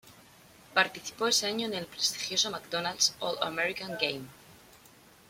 Participó ese año en el prestigioso McDonald's All-American Game.